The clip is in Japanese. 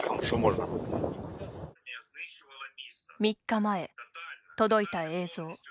３日前、届いた映像。